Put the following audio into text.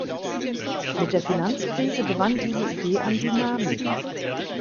Mit der Finanzkrise gewann diese Idee an Dynamik.